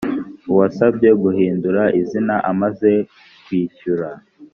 uwasabye guhindura izina amaze kwishyura